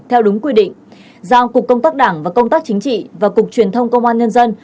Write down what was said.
theo đúng quy định giao cục công tác đảng và công tác chính trị và cục truyền thông công an nhân dân